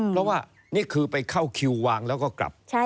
เพราะว่านี่คือไปเข้าคิววางแล้วก็กลับ